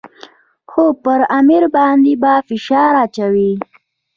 خو پر امیر باندې به فشار اچوي.